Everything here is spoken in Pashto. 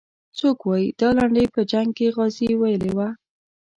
څوک وایي دا لنډۍ په جنګ کې غازي ویلې وه.